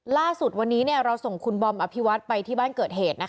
ล่าสุดวันนี้เราส่งคุณบอมอภิวัตไปที่บ้านเกิดเหตุ